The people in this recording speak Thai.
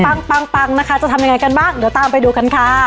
ปังนะคะจะทำยังไงกันบ้างเดี๋ยวตามไปดูกันค่ะ